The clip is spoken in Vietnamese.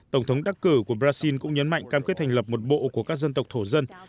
tổng thống đắc cử của brazil cũng nhấn mạnh cam kết thành lập một bộ của các dân tộc thổ dân